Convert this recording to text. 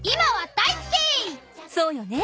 そうよね。